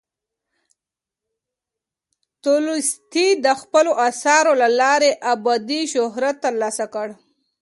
تولستوی د خپلو اثارو له لارې ابدي شهرت ترلاسه کړ.